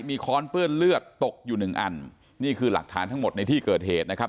มีค้อนเปื้อนเลือดตกอยู่หนึ่งอันนี่คือหลักฐานทั้งหมดในที่เกิดเหตุนะครับ